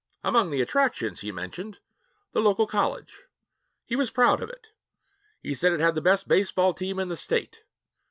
Among the attractions, he mentioned the local college. He was proud of it; he said it had the best baseball team in the state.